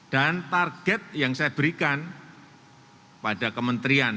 dan target yang saya berikan pada kementerian